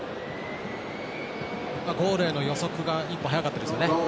ゴールへの予測が一歩、早かったですよね。